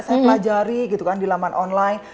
saya pelajari gitu kan di laman online